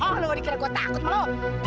oh lu dikira gue takut mau